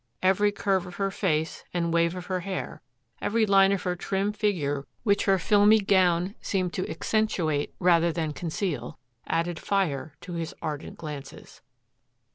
Every curve of her face and wave of her hair, every line of her trim figure which her filmy gown seemed to accentuate rather than conceal added fire to his ardent glances.